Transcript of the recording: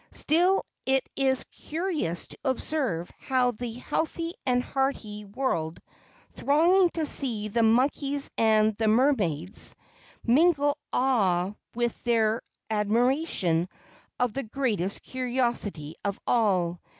Still it is curious to observe how the healthy and hearty world, thronging to see the monkeys and the mermaids, mingle awe with their admiration of the greatest curiosity of all.